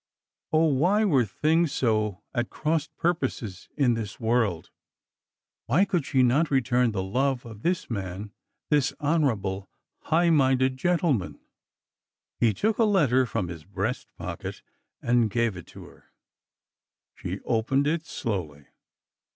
Oh, why were things so at cross purposes in this world !% Why could she not return the love of this man— this hon orable, high minded gentleman? He took a letter from his breast pocket and gave it to ^ her. She opened it slowly.